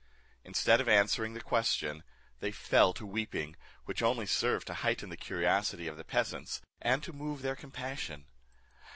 Instead of answering the question, they fell to weeping, which only served to heighten the curiosity of the peasants, and to move their compassion.